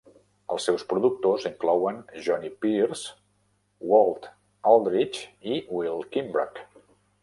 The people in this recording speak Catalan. Els seus productors inclouen Johnny Pierce, Walt Aldridge i Will Kimbrough.